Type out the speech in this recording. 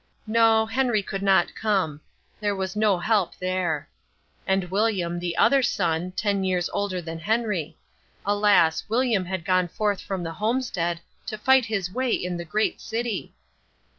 No, Henry could not come. There was no help there. And William, the other son, ten years older than Henry. Alas, William had gone forth from the homestead to fight his way in the great city!